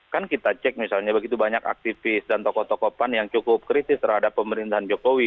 kan kita cek misalnya begitu banyak aktivis dan tokoh tokoh pan yang cukup kritis terhadap pemerintahan jokowi